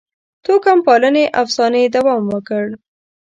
توکم پالنې افسانې دوام وکړ.